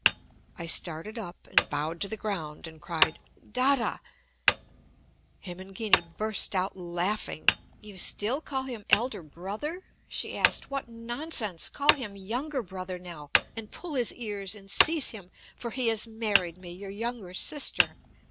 I started up, and bowed to the ground, and cried: "Dada!" Hemangini burst out laughing. "You still call him elder brother?" she asked. "What nonsense! Call him younger brother now, and pull his ears and cease him, for he has married me, your younger sister."